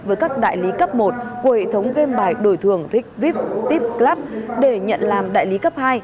với các đại lý cấp một của hệ thống game bài đổi thường rigvit tip club để nhận làm đại lý cấp hai